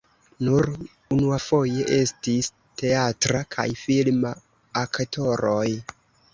Nur unuafoje estis teatra kaj filma aktoroj.